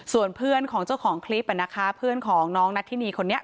ส่วนเพื่อนของเจ้าของคลิปนะคะเพื่อนของน้องนัทธินีคนนี้